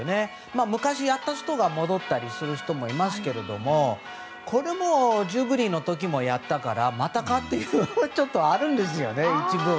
昔、やった人が戻ったりすることもありますけどこれもジュビリーの時もやったからまたかというところがあるんですよね。